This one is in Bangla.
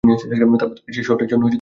তারপর থেকে সে শট-এর জন্য কাজ করে।